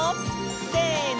せの！